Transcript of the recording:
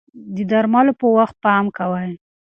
د درملو په وخت پام کوئ.